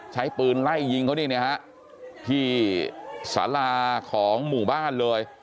ใช้ปืนไล่ยิงเขานี่นะฮะที่สาราของหมู่บ้านเลย